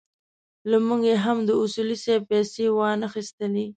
له موږ یې هم د اصولي صیب پېسې وانخيستلې.